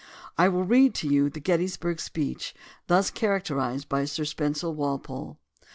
^ I will read to you the Gettysburg speech thus char acterized by Sir Spencer Walpole.